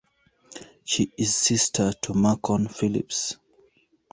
She is sister to Macon Phillips.